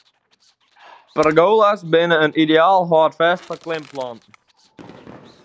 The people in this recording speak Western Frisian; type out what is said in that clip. Pergola's binne in ideaal hâldfêst foar klimplanten.